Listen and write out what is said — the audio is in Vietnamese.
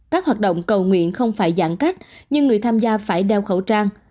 các hoạt động cầu nguyện không phải giãn cách nhưng người tham gia phải đeo khẩu trang